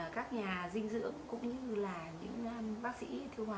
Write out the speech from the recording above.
các nhà dinh dưỡng cũng như là những bác sĩ tiêu hóa